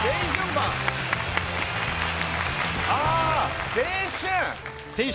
ああ青春！